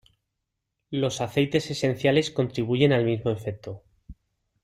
Los aceites esenciales contribuyen al mismo efecto.